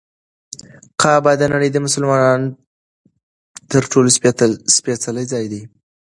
کعبه د نړۍ د مسلمانانو تر ټولو سپېڅلی ځای دی.